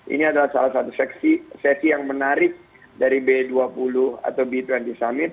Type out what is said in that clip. ini adalah salah satu sesi yang menarik dari b dua puluh atau b dua puluh summit